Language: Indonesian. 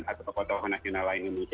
atau kota kota nasional lain indonesia